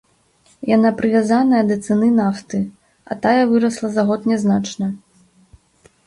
Яна прывязаная да цаны нафты, а тая вырасла за год нязначна.